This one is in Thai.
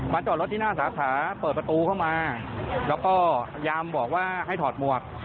จอดรถที่หน้าสาขาเปิดประตูเข้ามาแล้วก็ยามบอกว่าให้ถอดหมวก